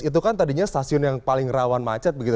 itu kan tadinya stasiun yang paling rawan macet begitu